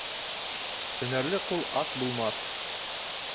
Һөнәрле ҡул ас булмаҫ.